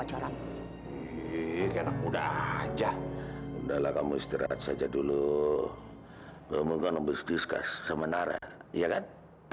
aja udah kamu istirahat saja dulu kamu kan buskis sama nara iya kan